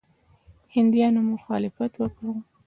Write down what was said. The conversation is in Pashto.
هندیانو مخالفت وکړ.